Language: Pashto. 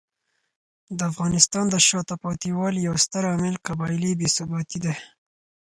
د افغانستان د شاته پاتې والي یو ستر عامل قبایلي بې ثباتي دی.